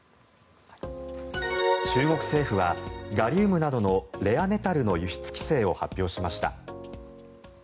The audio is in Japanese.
中国政府はガリウムなどのレアメタルの輸出規制を発表しました。